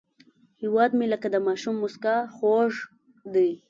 هیواد مې لکه د ماشوم موسکا خوږ دی